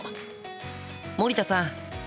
森田さん